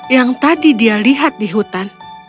yang tadi dia lihat di hutan